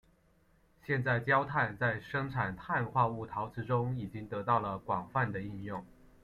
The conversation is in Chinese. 现在焦炭在生产碳化物陶瓷中已经得到了广泛的应用。